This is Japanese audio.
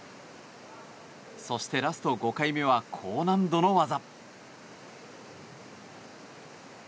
そしてラスト５回目は高難度の技。